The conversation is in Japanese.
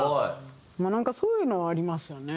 なんかそういうのはありますよね。